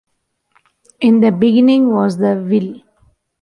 In the beginning was the will.